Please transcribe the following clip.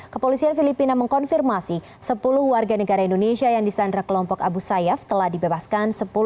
kepolisian filipina mengkonfirmasi sepuluh warga negara indonesia yang disandra kelompok abu sayyaf telah dibebaskan